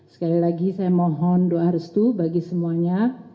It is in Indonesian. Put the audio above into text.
sekali lagi saya mohon doa restu bagi semuanya